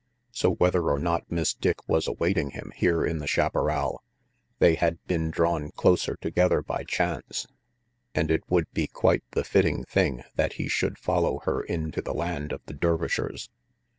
So whether or not Miss Dick was awaiting him here in the chaparral, they had been drawn closer together by chance, and it would be quite the fitting thing that he should follow her into the land of the Dervishers.